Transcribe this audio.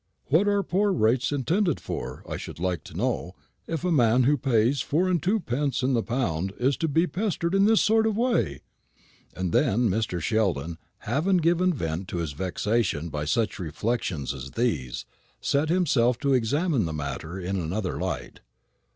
What are poor rates intended for, I should like to know, if a man who pays four and twopence in the pound is to be pestered in this sort of way?" And then Mr. Sheldon, having given vent to his vexation by such reflections as these, set himself to examine the matter in another light.